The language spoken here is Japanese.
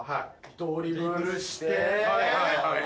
ドリブルして。